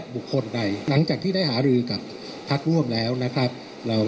หลังจากที่ได้หารือกับพักรวมแล้วนะครับ